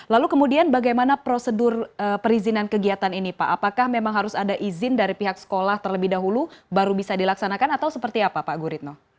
lalu kemudian bagaimana prosedur perizinan kegiatan ini pak apakah memang harus ada izin dari pihak sekolah terlebih dahulu baru bisa dilaksanakan atau seperti apa pak guritno